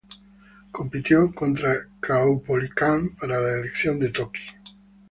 Compitió contra Caupolicán para la elección de toqui.